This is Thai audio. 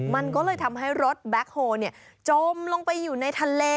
มันก็เลยทำให้รถแบ็คโฮลจมลงไปอยู่ในทะเล